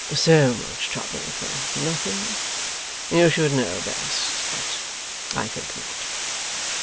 'So much trouble for nothing? You should know best, but I think not.